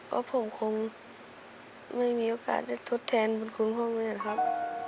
เพราะผมคงไม่มีโอกาสจะทดแทนบทคุณพ่อแม่นะครับ